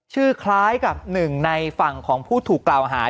คล้ายกับหนึ่งในฝั่งของผู้ถูกกล่าวหา